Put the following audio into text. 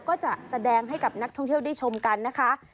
ก็จะแสดงให้กับนักท่องเที่ยวได้ชมกันนะคะ